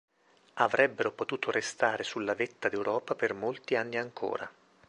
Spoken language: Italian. Avrebbero potuto restare sulla vetta d'Europa per molti anni ancora.